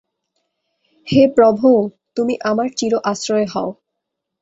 হে প্রভো! তুমি আমার চির আশ্রয় হও।